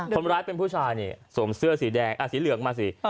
คนร้ายเป็นผู้ชายเนี่ยสวมเสื้อสีแดงสีเหลืองมาสิ